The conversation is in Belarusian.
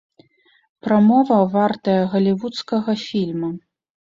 Прамова вартая галівудскага фільма.